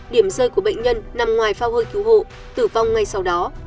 điểm rơi của bệnh nhân nằm ngoài phao hơi cứu hộ tử vong ngay sau đó